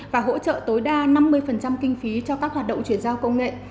và hỗ trợ tối đa năm mươi kinh phí cho các hoạt động chuyển giao công nghệ